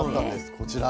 こちら。